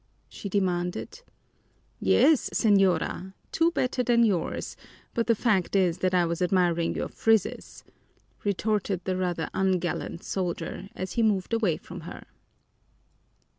she demanded. "Yes, señora, two better than yours, but the fact is that I was admiring your frizzes," retorted the rather ungallant soldier as he moved away from her.